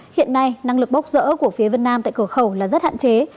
hiện nay năng lực bốc rỡ của phía vân nam tại cửa khẩu là rất hạn chế